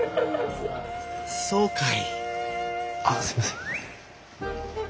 そうかいあっすいません。